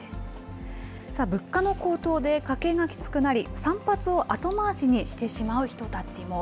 さあ、物価の高騰で家計がきつくなり、散髪を後回しにしてしまう人たちも。